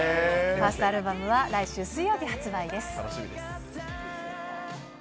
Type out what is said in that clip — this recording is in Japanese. ファーストアルバムは来週水曜日発売です。